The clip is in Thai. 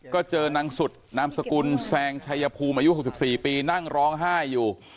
ก็เจอนางสุดนามสกุลแซงชัยภูมิอายุ๖๔ปีนั่งร้องไห้อยู่